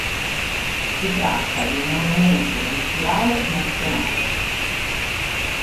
Si tratta di un monumento culturale nazionale.